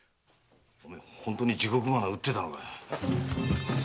本当に地獄花を売ってたのかよ。